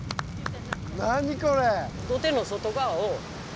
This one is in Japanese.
何これ⁉